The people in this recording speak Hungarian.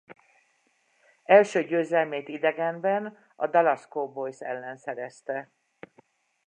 Első győzelmét idegenben a Dallas Cowboys ellen szerezte.